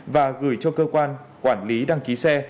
và gửi cho cơ quan quản lý đăng ký xe